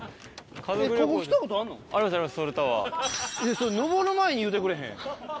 それ上る前に言うてくれへん？